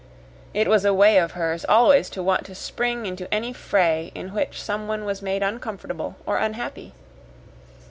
It was a way of hers always to want to spring into any fray in which someone was made uncomfortable or unhappy.